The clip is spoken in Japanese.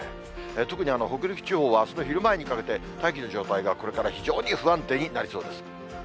特に北陸地方は、あすの昼前にかけて、大気の状態がこれから非常に不安定になりそうです。